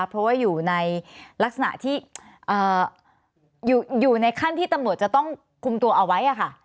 เพราะว่าอยู่ในลักษณะที่อยู่ในขั้นที่ตำรวจจะต้องคุมตัวเอาไว้ค่ะ